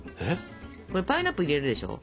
これパイナップル入れるでしょ。